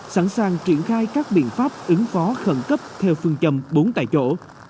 sẵn sàng triển khai các biện pháp ứng phó khẩn cấp theo phương châm bốn tại chỗ